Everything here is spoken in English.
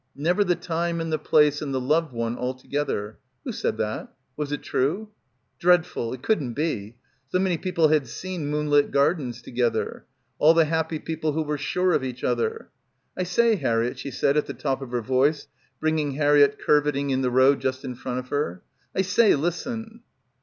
"Never the time and the place and the loved one all together." Who said that? Was it true ? Dreadful. It couldn't be. So many people had seen moonlit gardens, together. All the happy people who were sure of each other. "I say, Harriett," she said at the top of her voice, bring ing Harriett curvetting in the road just in front of her. "I say, listen."